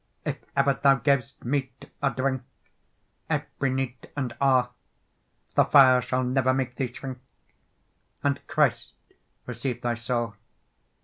If ever thou gavest meat or drink, Every nighte and alle, The fire sall never make thee shrinke; And Christe receive thye saule.